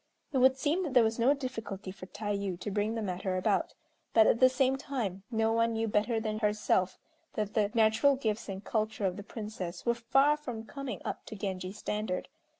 It would seem that there was no difficulty for Tayû to bring the matter about, but at the same time no one knew better than herself that the natural gifts and culture of the Princess were far from coming up to Genji's standard.